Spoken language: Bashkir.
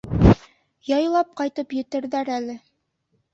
Яйлап ҡайтып етерҙәр әле.